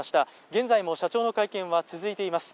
現在も社長の会見は続いています。